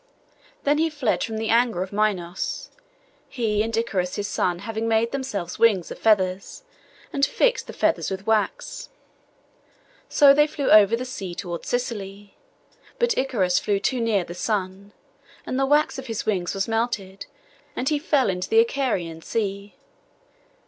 Then he fled from the anger of Minos, he and Icaros his son having made themselves wings of feathers, and fixed the feathers with wax. So they flew over the sea toward Sicily; but Icaros flew too near the sun; and the wax of his wings was melted, and he fell into the Icarian Sea.